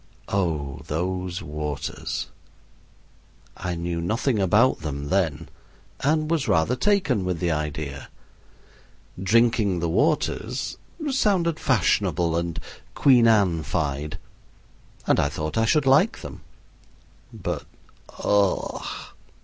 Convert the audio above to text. Oh, those waters! I knew nothing about them then, and was rather taken with the idea. "Drinking the waters" sounded fashionable and Queen Anne fied, and I thought I should like them. But, ugh!